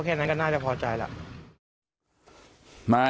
แค่นั้นก็น่าจะพอใจแหละ